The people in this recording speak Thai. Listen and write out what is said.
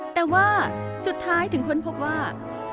แต่ว่าสุดท้ายถึงค้นพบว่า